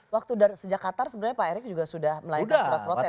waktu dari sejak qatar sebenarnya pak erik juga sudah melakukan surat protes kan